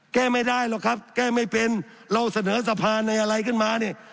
แก้ไม่ได้หรอกครับแก้ไม่เป็นเราเสนอสภาในอะไรขึ้นมาเนี่ย